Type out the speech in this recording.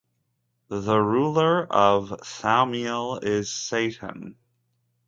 The ruler of Thaumiel is Satan.